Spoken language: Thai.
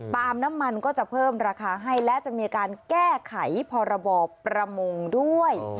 น้ำมันก็จะเพิ่มราคาให้และจะมีการแก้ไขพรบประมงด้วย